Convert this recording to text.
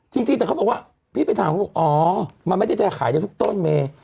จริงแต่เขาบอกว่าพี่ไปถามเขาบอกอ๋อมันไม่ได้จะขายได้ทุกต้นเม